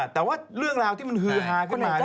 แต่ว่าเรื่องราวที่มันฮือฮาขึ้นมา